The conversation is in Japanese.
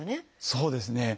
そうですね。